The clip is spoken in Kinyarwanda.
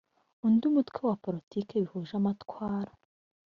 undi mutwe wa politiki bihuje amatwara